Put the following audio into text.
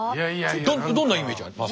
どんなイメージあります？